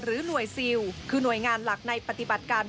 หน่วยซิลคือหน่วยงานหลักในปฏิบัติการ